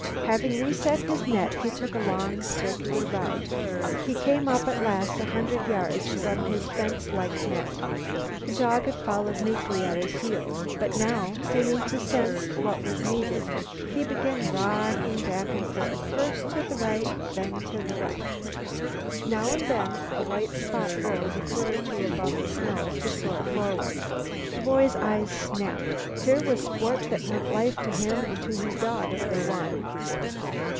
Having reset his net he took a long, circular route; he came up at last a hundred yards from his fence like net. The dog had followed meekly at his heels, but now, seeming to sense what was needed, he began rocking back and forth, first to the right, then to the left. Now and then a white spot rose a foot or two above the snow to soar forward. The boy's eyes snapped. Here was sport that meant life to him and to his dog if they won.